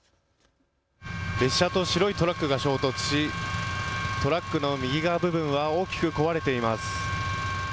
列車と白いトラックが衝突し、トラックの右側部分は大きく壊れています。